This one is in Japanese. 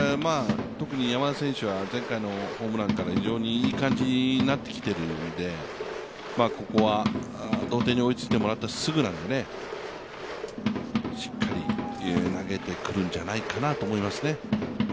特に山田選手は前回のホームランから非常にいい感じになってきているのでここは同点に追いついてもらったすぐなので、しっかり投げてくるんじゃないかなと思いますね。